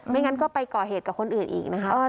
งั้นก็ไปก่อเหตุกับคนอื่นอีกนะคะ